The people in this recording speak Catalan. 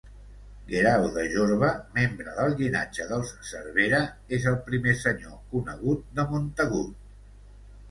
Guerau de Jorba, membre del llinatge dels Cervera, és el primer senyor conegut de Montagut.